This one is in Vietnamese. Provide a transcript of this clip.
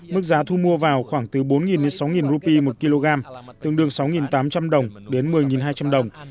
mức giá thu mua vào khoảng từ bốn đến sáu rupee một kg tương đương sáu tám trăm linh đồng đến một mươi hai trăm linh đồng